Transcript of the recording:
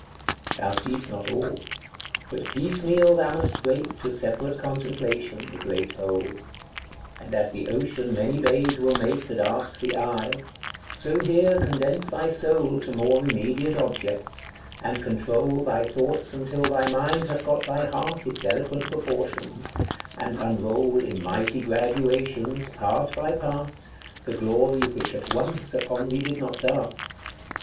Thou seest not all; but piecemeal thou must break To separate contemplation, the great whole; And as the ocean many bays will make, That ask the eye so here condense thy soul To more immediate objects, and control Thy thoughts until thy mind hath got by heart Its eloquent proportions, and unroll In mighty graduations, part by part, The glory which at once upon thee did not dart.